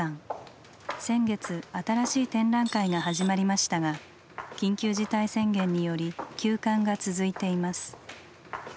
先月新しい展覧会が始まりましたが緊急事態宣言により休館が続いています。